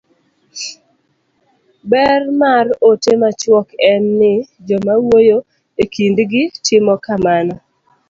ber mar ote machuok en ni joma wuoyo e kindgi timo kamano